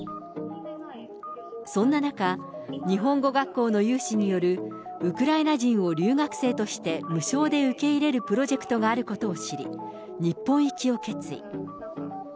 そんな中、日本語学校の有志による、ウクライナ人を留学生として無償で受け入れるプロジェクトがあることを知り、日本行きを決意。